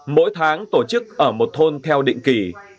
mỗi tháng tổ chức ở một thôn theo định kỳ